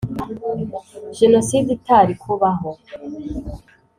Jenoside itari kubaho